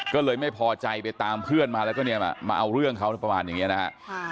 ก็เลยไม่พอใจไปตามเพื่อนมาแล้วก็เนี่ยมาเอาเรื่องเขาประมาณอย่างนี้นะฮะ